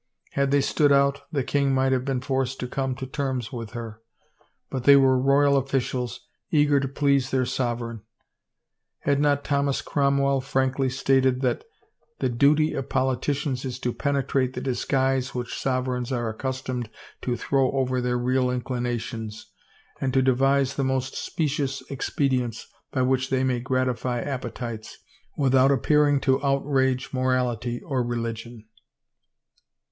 Had they stood out, the king might have been forced to come to tenrns with her, but they were royal officials, eager to please their sovereign. Had not 372 THE NUMBERED HOURS Thomas Cromwell frankly stated that, " The duty of politicians is to penetrate the disguise which sovereigns are accustomed to throw over their real inclinations, and to devise the most specious expedients by which they may gratify appetites without appearing to outrage morality or religion."